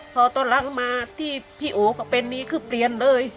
พอต้นหลังมาที่พี่โอก็เป็นนี้คือเปลี่ยนเลย